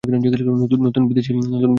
নতুন বিদেশি গাড়িও কিনেছেন।